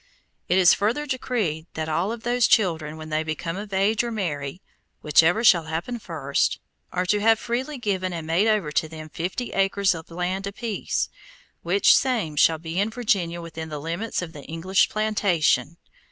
It is further decreed that all of those children when they become of age or marry, whichever shall happen first, are to have freely given and made over to them fifty acres of land apiece, which same shall be in Virginia within the limits of the English plantation.